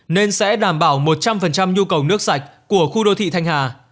nên sẽ đảm bảo một trăm linh nhu cầu nước sạch của khu đô thị thanh hà